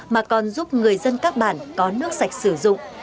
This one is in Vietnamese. mà còn giúp người dân các bản có nước sạch sử dụng